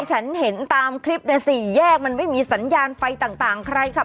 ฉันเห็นตามคลิปเนี่ยสี่แยกมันไม่มีสัญญาณไฟต่างใครขับ